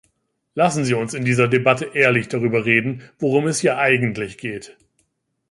Lassen Sie uns in dieser Debatte ehrlich darüber reden, worum es hier eigentlich geht.